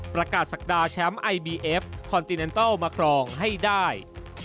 ประกาศศักดาแชมป์ไอบีเอฟคอนติเนนเตอร์มาครองให้ได้